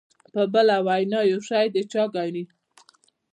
په بله وینا یو شی د چا ګڼي.